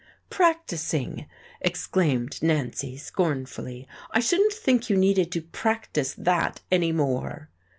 "Practising!" exclaimed Nancy, scornfully. "I shouldn't think you needed to practise that any more."